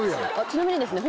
ちなみにですね